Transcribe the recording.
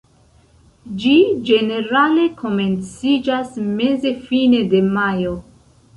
Ĝi ĝenerale komenciĝas meze-fine de majo.